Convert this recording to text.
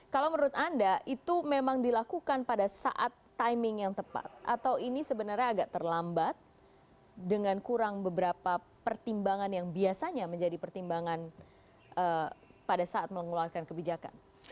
kalau menurut anda itu memang dilakukan pada saat timing yang tepat atau ini sebenarnya agak terlambat dengan kurang beberapa pertimbangan yang biasanya menjadi pertimbangan pada saat mengeluarkan kebijakan